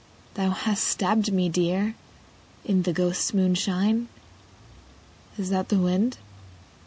Thou hast stabbed me dear. In the ghosts' moonshine. Is that the wind